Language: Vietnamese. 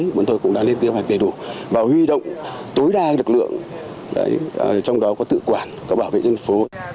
chúng tôi cũng đã lên kế hoạch đầy đủ và huy động tối đa lực lượng trong đó có tự quản có bảo vệ dân phố